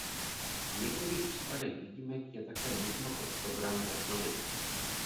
V některých případech výjimek je také možno chod programu obnovit.